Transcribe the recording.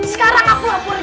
sekarang aku laporin